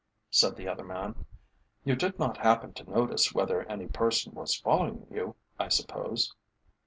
said the other man. "You did not happen to notice whether any person was following you, I suppose?"